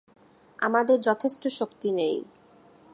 আমাদের যথেষ্ট শক্তি নেই।